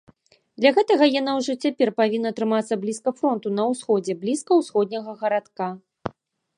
Для гэтага яна ўжо цяпер павінна трымацца блізка фронту, на ўсходзе, блізка ўсходняга гарадка.